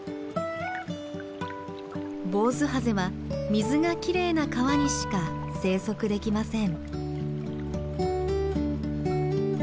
ボウズハゼは水がきれいな川にしか生息できません。